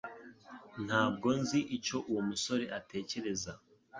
Ntabwo nzi icyo uwo musore atekereza.